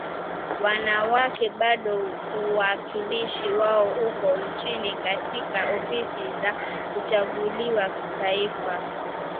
wanawake bado uwakilishi wao uko chini katika ofisi za kuchaguliwa kitaifa